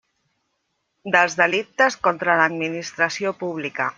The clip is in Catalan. Dels delictes contra l'Administració publica.